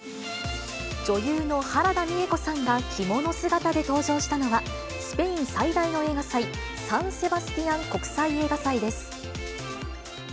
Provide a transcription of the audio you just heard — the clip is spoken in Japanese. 女優の原田美枝子さんが着物姿で登場したのは、スペイン最大の映画祭、サン・セバスティアン国際映画祭です。